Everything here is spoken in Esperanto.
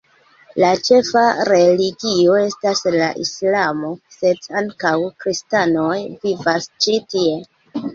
La ĉefa religio estas la islamo, sed ankaŭ kristanoj vivas ĉi tie.